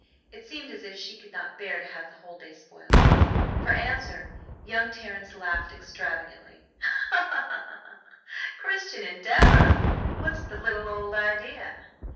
It seemed as if she could not bear to have the whole day spoiled. For answer young Terrence laughed extravagantly: "Christian Endeavor! What's the little old idea?"